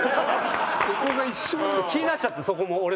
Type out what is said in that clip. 気になっちゃってそこも俺も。